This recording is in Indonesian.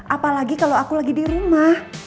apalagi kalau aku lagi di rumah